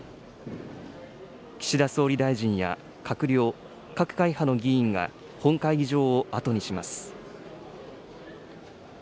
岸田総理大臣や閣僚、各会派の議員が、本会議場を後にします。